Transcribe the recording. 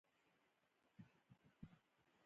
د افغانستان په منظره کې غزني ښکاره ده.